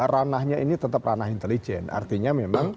ranahnya ini tetap ranah intelijen artinya memang